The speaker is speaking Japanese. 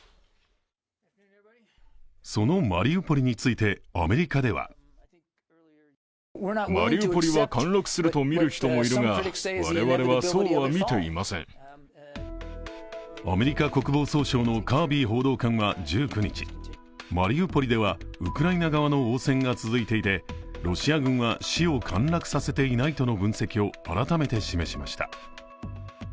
そのマリウポリについてアメリカではアメリカ国防総省のカービー報道官は１９日、マリウポリではウクライナ側の応戦が続いていてロシア軍は、市を陥落させていないとの分析を改めて示しました。